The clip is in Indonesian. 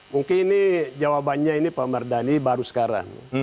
mungkin ini jawabannya ini pak mardhani baru sekarang